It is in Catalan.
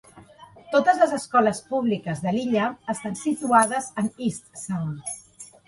Totes les escoles públiques de l'illa estan situades en Eastsound.